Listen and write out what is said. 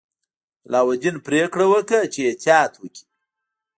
علاوالدین پریکړه وکړه چې احتیاط وکړي.